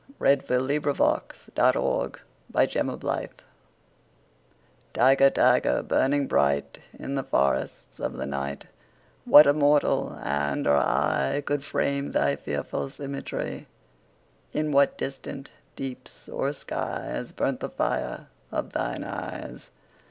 1757–1827 489. The Tiger TIGER, tiger, burning bright In the forests of the night, What immortal hand or eye Could frame thy fearful symmetry? In what distant deeps or skies 5 Burnt the fire of thine eyes?